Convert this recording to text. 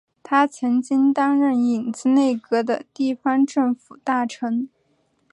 他曾经担任影子内阁的地方政府大臣。